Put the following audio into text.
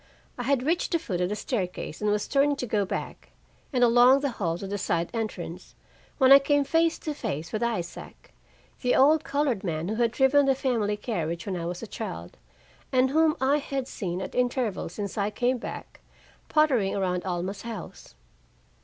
I had reached the foot of the staircase and was turning to go back and along the hall to the side entrance, when I came face to face with Isaac, the old colored man who had driven the family carriage when I was a child, and whom I had seen, at intervals since I came back, pottering around Alma's house.